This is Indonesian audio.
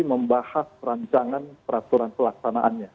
membahas rancangan peraturan pelaksanaannya